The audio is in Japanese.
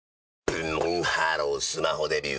ブンブンハロースマホデビュー！